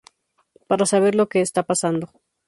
Para saber lo que está pasando.